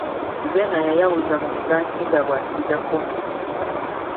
Zeena yayawuza mu mugaati nga bw'asiigako omuzigo.